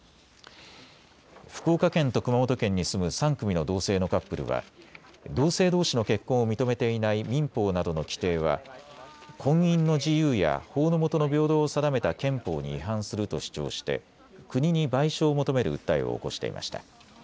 福岡県と熊本県に住む３組の同性のカップルは同性どうしの結婚を認めていない民法などの規定は婚姻の自由や法の下の平等を定めた憲法に違反すると主張して国に賠償を求める訴えを起こしていました。